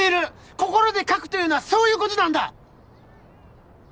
心で描くというのはそういうことなんだ！